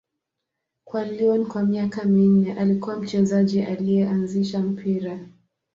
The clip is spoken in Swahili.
Kwa Lyon kwa miaka minne, alikuwa mchezaji aliyeanzisha mpira.